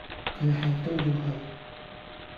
佢係都要去